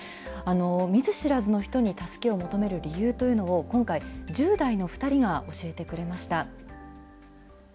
見ず知らずの人に助けを求める理由というのを、今回、１０代の２人が教えてくれました。